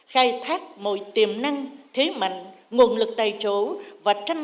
khai thác mọi tiềm năng thế mạnh nguồn lực tài trộn